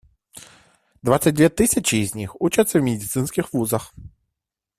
Двадцать две тысячи из них учатся в медицинских вузах.